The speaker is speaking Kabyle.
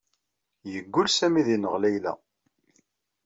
Yeggul Sami ad ineɣ Layla.